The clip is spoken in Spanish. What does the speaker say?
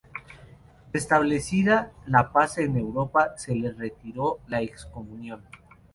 Restablecida la paz en Europa se le retiró la excomunión.